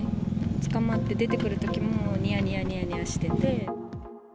捕まって出てくるときも、にやにやにやにやしてて。